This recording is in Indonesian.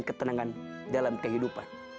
mengantarkan ketenangan dalam kehidupan